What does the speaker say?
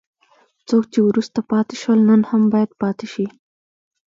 څوک چې وروسته پاتې شول نن هم باید پاتې شي.